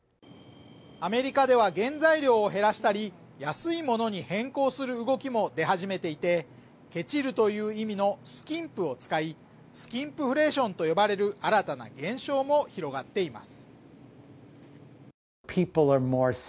アメリカでは原材料を減らしたり安いものに変更する動きも出始めていてケチるという意味のスキンプを使いスキンプフレーションと呼ばれる新たな現象も広がっています